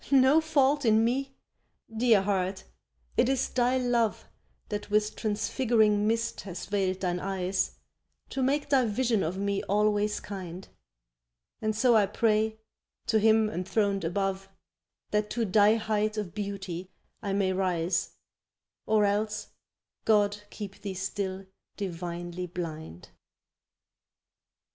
No fault in me? Dear Heart, it is thy love That with transfiguring mist has veiled thine eyes To make thy vision of me always kind; And so I pray, to Him enthroned above, That to thy height of beauty I may rise, Or else God keep thee still divinely blind.